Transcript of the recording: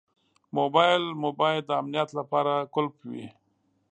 موبایل مو باید د امنیت لپاره قلف وي.